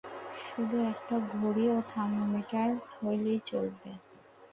শুধু একটা ঘড়ি ও থার্মোমিটার হলেই চলবে।